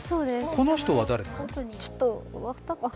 この人は誰？